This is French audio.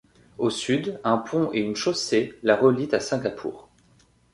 Au sud, un pont et une chaussée la relient à Singapour.